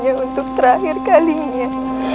ayah anda untuk terakhir kalinya